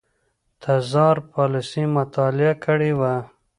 تزار پالیسي مطالعه کړې وه.